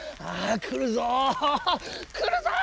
くるぞっ！